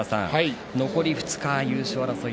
残り２日、優勝争い